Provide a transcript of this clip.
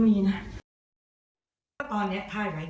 มึงขึ้นมาเลย